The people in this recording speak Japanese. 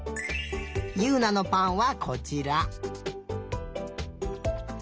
ゆうなのぱんはこちら。